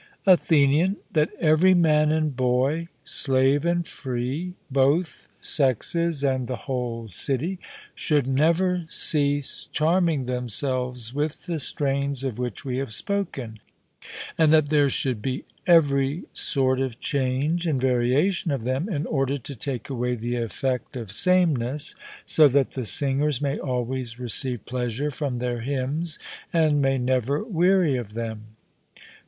ATHENIAN: That every man and boy, slave and free, both sexes, and the whole city, should never cease charming themselves with the strains of which we have spoken; and that there should be every sort of change and variation of them in order to take away the effect of sameness, so that the singers may always receive pleasure from their hymns, and may never weary of them?